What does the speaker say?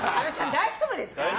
大丈夫ですか？